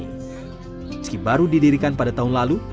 meski baru didirikan pada tahun lalu